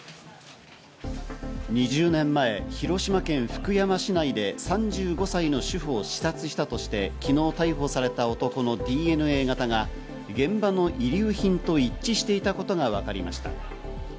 ２０年前、広島県福山市内で３５歳の主婦を刺殺したとして昨日逮捕された男のＤＮＡ型が現場の遺留品と一致していたことがわかりました。